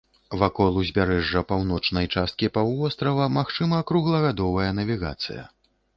Вакол узбярэжжа паўночнай часткі паўвострава магчыма круглагадовая навігацыя.